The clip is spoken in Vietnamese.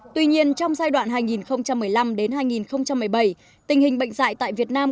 tuy nhiên trong giai đoạn hai nghìn một mươi năm hai nghìn một mươi bảy tình hình bệnh dạy tại việt nam